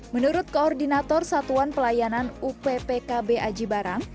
menurut koordinator satuan pelayanan uppkb aji barang